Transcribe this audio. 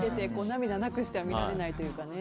涙なくしては見られないというかね。